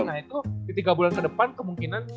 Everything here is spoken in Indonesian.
nah itu di tiga bulan kedepan kemungkinan